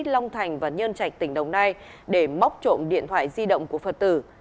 long thành và nhân trạch tỉnh đồng nai để móc trộm điện thoại di động của phật tử